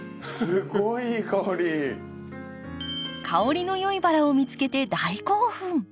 香りの良いバラを見つけて大興奮。